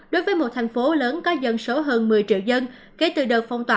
đối với một thành phố lớn có dân số hơn một mươi triệu dân kể từ đợt phong tỏa